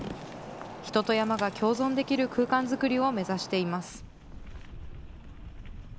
人と山が共存できる空間作りを目指しています。